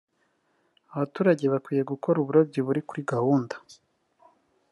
Abaturage bakwiye gukora uburobyi buri kuri gahunda